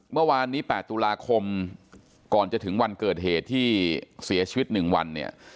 เมื่อวานนี้๘ตุลาคมก่อนจะถึงวันเกิดเหตุที่เสียชีวิต๑วันเนี่ย